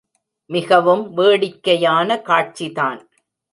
மிகவும் வேடிக்கையான காட்சிதான்.